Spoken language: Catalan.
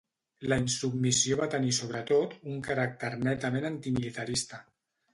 La insubmissió va tenir sobretot un caràcter netament antimilitarista.